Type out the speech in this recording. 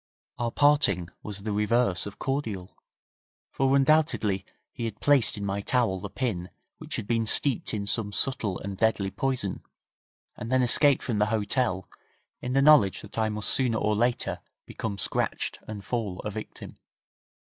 Our parting was the reverse of cordial, for undoubtedly he had placed in my towel the pin which had been steeped in some subtle and deadly poison, and then escaped from the hotel, in the knowledge that I must sooner or later become scratched and fall a victim.